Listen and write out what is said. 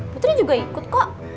putri juga ikut kok